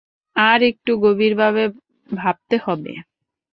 আর একটু গভীরভাবে ভাবতে হবে।